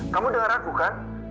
kamu dengar aku kan